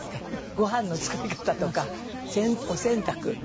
ごはんの作り方とかお洗濯掃除